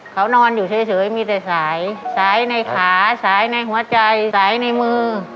เขานอนอยู่เฉยมีแต่สายสายในขาสายในหัวใจสายในมือ